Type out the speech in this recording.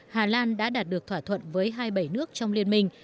hà lan đã đạt được thỏa thuận với hai mươi bảy nước trong liên minh